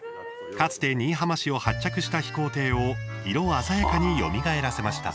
かつて新居浜市を発着した飛行艇を色鮮やかによみがえらせました。